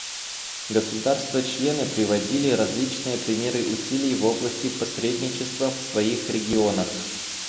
Государства-члены приводили различные примеры усилий в области посредничества в своих регионах.